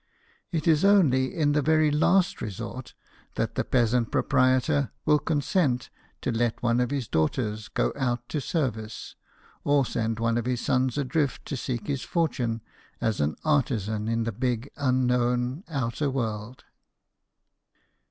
It is only in the very last resort that the peasant proprietor will consent to let one of his daughters go out to service, or send one of his sons adrift to seek JEAN FRANQOIS MILLET, PAINTER. 117 his fortune as an artisan in the big, unknown, outer world.